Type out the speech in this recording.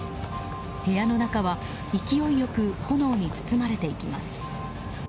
部屋の中は勢いよく炎に包まれていきます。